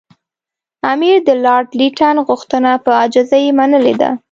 امیر د لارډ لیټن غوښتنه په عاجزۍ منلې ده.